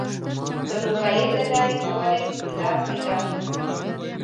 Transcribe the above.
د موبایل له لارې کولی شو لار پیدا کړو.